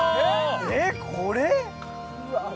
えっこれ！？